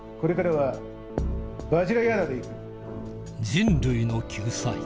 人類の救済